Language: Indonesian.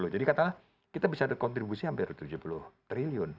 jadi katalah kita bisa ada kontribusi hampir tujuh puluh triliun